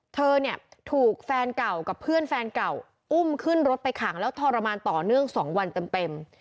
เธอเนี่ยถูกแฟนเก่ากับเพื่อนแฟนเก่าอุ้มขึ้นรถไปขังแล้วทรมานต่อเนื่อง๒วันเต็ม